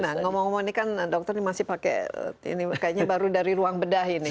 nah ngomong ngomong ini kan dokter ini masih pakai ini kayaknya baru dari ruang bedah ini